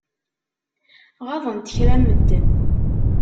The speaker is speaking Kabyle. Ɣaḍent kra n medden.